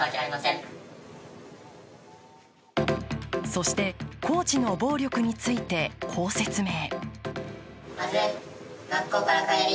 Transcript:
そして、コーチの暴力について、こう説明。